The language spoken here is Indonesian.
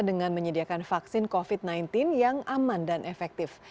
dengan menyediakan vaksin covid sembilan belas yang aman dan efektif